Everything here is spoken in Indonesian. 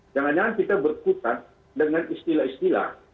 jangan jangan kita berkutat dengan istilah istilah